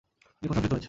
তিনি প্রশংসিত হয়েছেন।